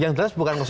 yang jelas bukan dua